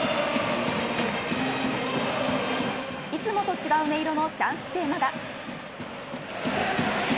いつもと違う音色のチャンステーマが。